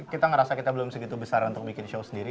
kita ngerasa kita belum segitu besar untuk bikin show sendiri